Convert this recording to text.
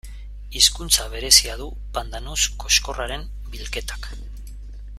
Hizkuntza berezia du pandanus koxkorraren bilketak.